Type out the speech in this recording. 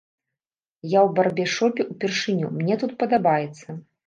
Я ў барбершопе ўпершыню, мне тут падабаецца.